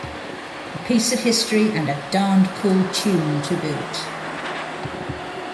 A piece of history and a darned cool tune, to boot.